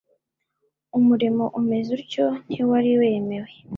umurimo umeze utyo ntiwari wemewe.